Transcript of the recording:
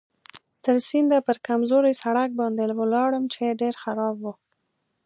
تر سینده پر کمزوري سړک باندې ولاړم چې ډېر خراب و.